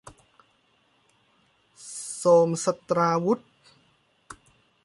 โทรมศัสตราวุธ